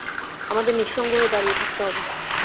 আমাদের নিঃসঙ্গ হয়ে দাঁড়িয়ে থাকতে হবে।